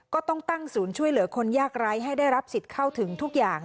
ก็ต้องตั้งศูนย์ช่วยเหลือคนยากไร้ให้ได้รับสิทธิ์เข้าถึงทุกอย่าง